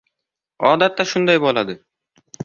Odatda shunday bo'ladi